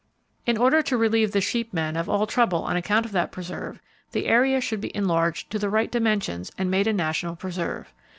In order to relieve the sheep men of all trouble on account of that preserve, the area should be enlarged to the right dimensions and made a national preserve.